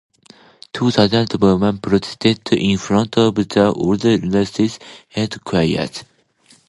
Two thousand women protested in front of the "Ordo Iuris" headquarters.